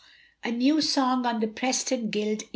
A NEW SONG ON THE PRESTON GUILD, 1842.